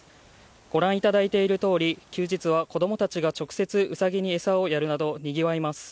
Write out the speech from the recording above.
ご覧いただいているとおり休日は子供たちが直接ウサギに餌をやるなどにぎわいます。